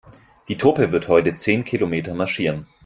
Die Truppe wird heute zehn Kilometer marschieren.